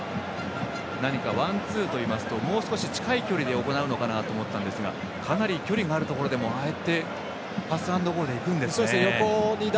何かワンツーといいますともう少し近い距離で行うかなと思ったんですがああやってパスアンドゴーでいくんですね。